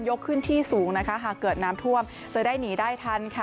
ขึ้นที่สูงนะคะหากเกิดน้ำท่วมจะได้หนีได้ทันค่ะ